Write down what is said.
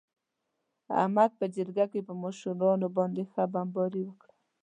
احمد په جرگه کې په مشرانو باندې ښه بمباري وکړه.